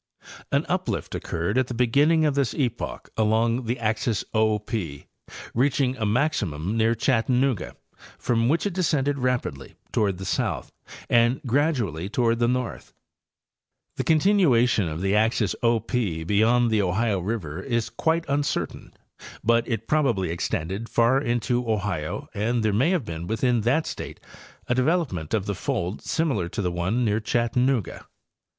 An uplift occurred at the beginning of this epoch along the axis O P, reaching a maximum near Chattanooga, from which it 94 Hayes and Campbhell—Appalachian Geomorphology. descended rapidly toward the south and gradually toward the north. The continuation of the axis O P beyond the Ohio river is quite uncertain, but it probably extended far into Ohio and there may have been within that state a development of the fold similar to the one near Chattanooga.